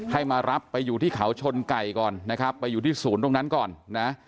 ให้มารับไปอยู่ที่เขาชนไก่ก่อนนะครับไปอยู่ที่ศูนย์ตรงนั้นก่อนนะ